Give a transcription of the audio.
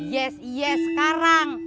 yes yes sekarang